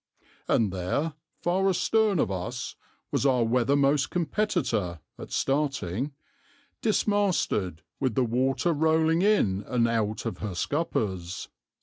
And there, far astern of us, was our weathermost competitor (at starting) dismasted, with the water rolling in and out of her scuppers.